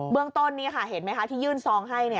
เบื้องต้นนี้ค่ะเห็นมั้ยที่ยื่นซองให้เนี่ย